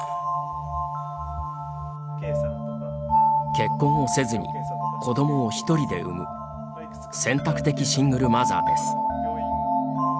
結婚をせずに子どもを１人で産む「選択的シングルマザー」です。